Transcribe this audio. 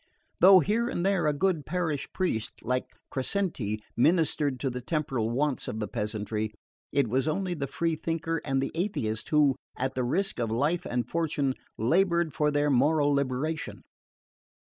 Though here and there a good parish priest like Crescenti ministered to the temporal wants of the peasantry, it was only the free thinker and the atheist who, at the risk of life and fortune, laboured for their moral liberation.